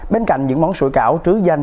bên cạnh những món sủi cảo trứ danh